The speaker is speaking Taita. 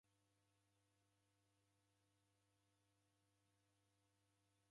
W'iduagha w'ikichuria kufunya w'ushuda.